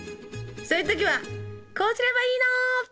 そういう時はこうすればいいの！